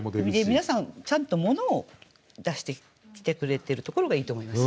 皆さんちゃんと物を出してきてくれてるところがいいと思います。